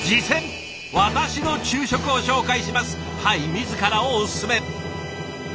はい自らをおすすめ。